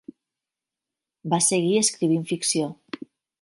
Va seguir escrivint ficció.